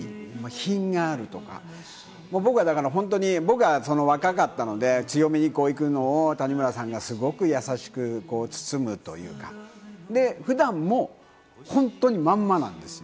品があるとか、僕は、だから本当に若かったので強めに行くのを谷村さんがすごく優しく包むというか、普段も本当にまんまなんですよ。